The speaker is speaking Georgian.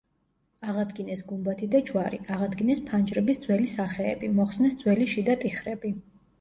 აღადგინეს გუმბათი და ჯვარი, აღადგინეს ფანჯრების ძველი სახეები, მოხსნეს ძველი შიდა ტიხრები.